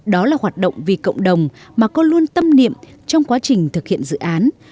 đó là hoạt động vì cộng đồng mà cô luôn tâm niệm trong quá trình thực hiện dự án